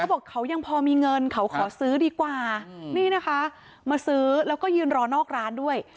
บอกเขายังพอมีเงินเขาขอซื้อดีกว่านี่นะคะมาซื้อแล้วก็ยืนรอนอกร้านด้วย